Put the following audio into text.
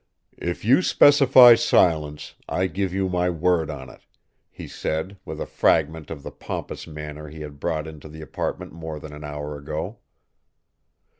"If you specify silence, I give you my word on it," he said, with a fragment of the pompous manner he had brought into the apartment more than an hour ago.